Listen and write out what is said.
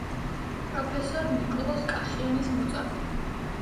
პროფესორ ნიკოლოზ კახიანის მოწაფე.